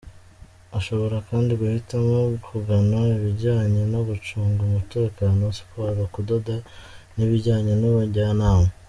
Ashobora kandi guhitamo kugana ibijyanye no gucunga umutekano, siporo, kudoda n’ibijyanye n’ubujyanama.